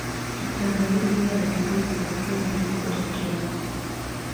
tutaangalia jina la virusi vya ukimwi liliko tokea